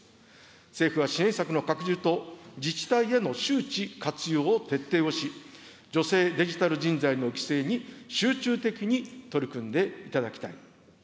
政府は支援策の拡充と、自治体への周知、活用を徹底をし、女性デジタル人材の育成に集中的に取り組んでいただきたい。